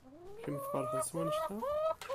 Kemm tfeṛḥeḍ s wanect-a?